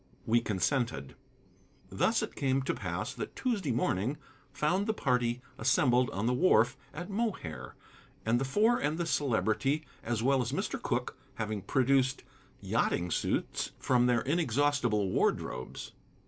We consented. Thus it came to pass that Tuesday morning found the party assembled on the wharf at Mohair, the Four and the Celebrity, as well as Mr. Cooke, having produced yachting suits from their inexhaustible wardrobes.